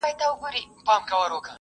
صدقه د غریبو حق دی.